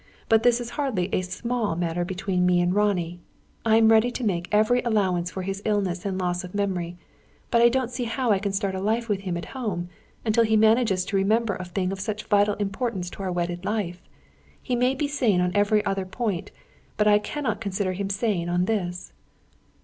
But this is hardly a small matter between me and Ronnie. I am ready to make every allowance for his illness and loss of memory; but I don't see how I can start life with him at home, until he manages to remember a thing of such vital import in our wedded life. He may be sane on every other point. I cannot consider him sane on this."